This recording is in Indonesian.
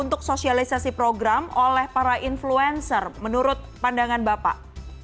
untuk sosialisasi program oleh para influencer menurut pandangan bapak